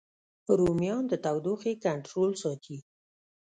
رومیان د تودوخې کنټرول ساتي